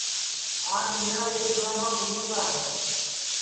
آج میرا ایک جُراٻا گُمی گا ہے